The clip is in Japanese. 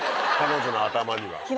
彼女の頭には。